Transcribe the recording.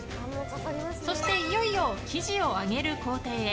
そして、いよいよ生地を揚げる工程へ。